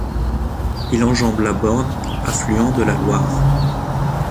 Il enjambe la Borne affluent de la Loire.